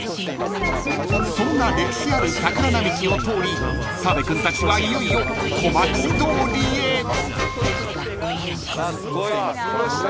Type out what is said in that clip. ［そんな歴史ある桜並木を通り澤部君たちはいよいよ小町通りへ］さあ来ましたよ